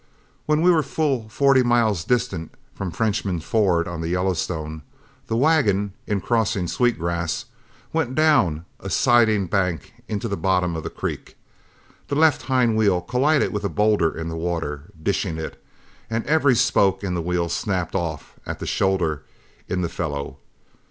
When we were full forty miles distant from Frenchman's Ford on the Yellowstone, the wagon, in crossing Sweet Grass, went down a sidling bank into the bottom of the creek, the left hind wheel collided with a boulder in the water, dishing it, and every spoke in the wheel snapped off at the shoulder in the felloe.